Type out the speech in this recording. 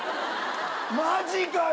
マジかよ。